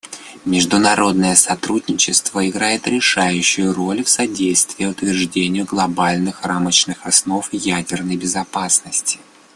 Международное сотрудничество играет решающую роль в содействии утверждению глобальных рамочных основ ядерной безопасности.